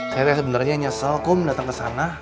saya kayak sebenernya nyesel kum dateng kesana